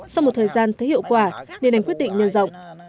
sau một thời gian thấy hiệu quả điện ảnh quyết định nhân dọng